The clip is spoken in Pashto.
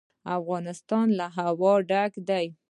افغانستان له هوا ډک دی.